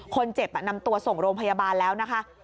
คนเจ็บนำตัวส่งโรงพยาบาลแล้วนะคะ